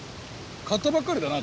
買ったばっかりだな